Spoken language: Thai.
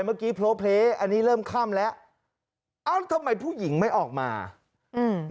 เมื่อกี้โพลเพลอันนี้เริ่มค่ำแล้วเอ้าทำไมผู้หญิงไม่ออกมาอืม